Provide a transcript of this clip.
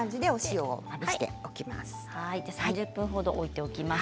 ３０分ほど置いておきます。